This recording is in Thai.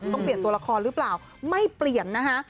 ต้องเปลี่ยนตัวละครหรือเปล่าไม่เปลี่ยนนะคะ